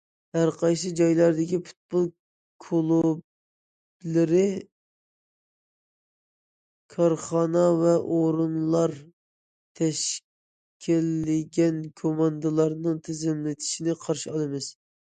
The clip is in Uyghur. ھەر قايسى جايلاردىكى پۇتبول كۇلۇبلىرى، كارخانا ۋە ئورۇنلار تەشكىللىگەن كوماندىلارنىڭ تىزىملىتىشىنى قارشى ئالىمىز.